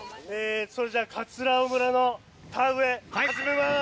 それじゃ尾村の田植え始めます！